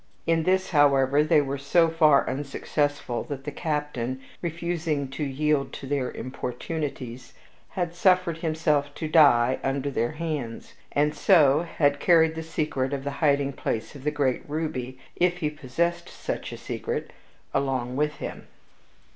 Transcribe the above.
In this, however, they were so far unsuccessful that the captain, refusing to yield to their importunities, had suffered himself to die under their hands, and had so carried the secret of the hiding place of the great ruby if he possessed such a secret along with him.